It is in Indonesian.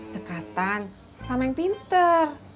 cekatan sama yang pinter